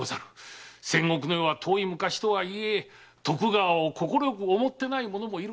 戦国の世は遠い昔とはいえ徳川を快く思ってない者もいるかと。